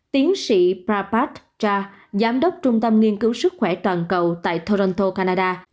tiến sĩ prabhat jha giám đốc trung tâm nghiên cứu sức khỏe toàn cầu tại toronto canada